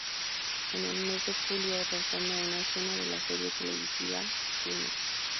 En el mes de julio, rodando una escena de la serie televisiva "Climax!